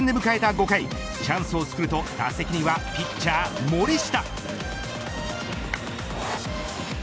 ５回チャンスをつくると打席にはピッチャー森下。